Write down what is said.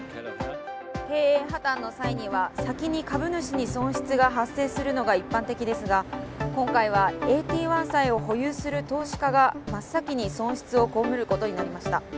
経営破綻の際には先に株主に損失が発生するのが一般的ですが今回はＡＴ１債を保有する投資家が真っ先に損失を被ることになりました。